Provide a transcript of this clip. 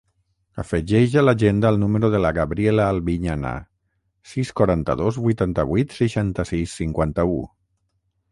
Afegeix a l'agenda el número de la Gabriela Albiñana: sis, quaranta-dos, vuitanta-vuit, seixanta-sis, cinquanta-u.